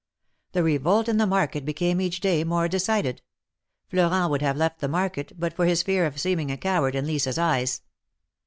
The revolt in the market became each day more decided. Florent would have left the market, but for his fear of seeming a coward in Lisa's eyes.